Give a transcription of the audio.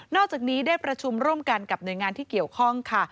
อกจากนี้ได้ประชุมร่วมกันกับหน่วยงานที่เกี่ยวข้องค่ะ